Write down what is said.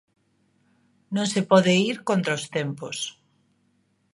Non se pode ir contra os tempos.